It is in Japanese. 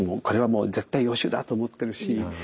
これはもう絶対予習だと思ってるし。